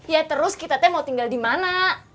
ya terus kita teh mau tinggal di mana